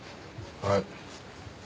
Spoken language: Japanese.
はい。